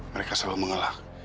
mereka selalu mengelak